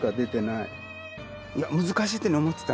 いや難しいっていうのは思ってた。